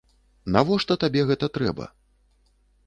Навошта табе гэта трэба?